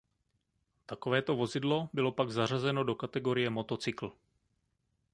Takovéto vozidlo bylo pak zařazeno do kategorie motocykl.